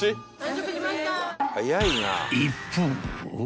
［一方］